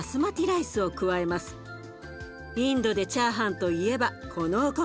インドでチャーハンといえばこのお米。